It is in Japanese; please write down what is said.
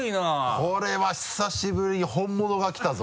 これは久しぶりに本物が来たぞ。